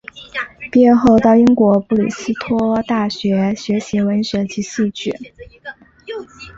毕业后到英国布里斯托大学学习文学及戏剧。